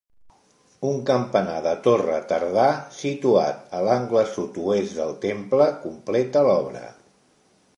Un campanar de torre tardà, situat a l'angle sud-oest del temple, completa l'obra.